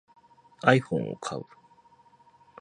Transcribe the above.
iPhone を買う